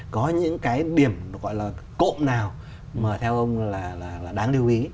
có những cái điểm gọi là cộm nào mà theo ông là đáng lưu ý